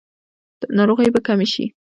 ناروغۍ به کمې شي؟